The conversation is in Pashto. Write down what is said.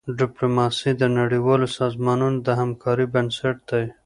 ډيپلوماسي د نړیوالو سازمانونو د همکارۍ بنسټ دی.